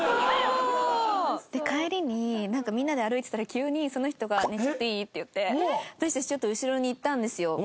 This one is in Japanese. で帰りにみんなで歩いてたら急にその人が「ちょっといい？」って言って私たちちょっと後ろに行ったんですよ。